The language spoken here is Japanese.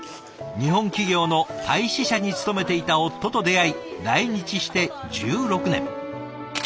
日本企業のタイ支社に勤めていた夫と出会い来日して１６年。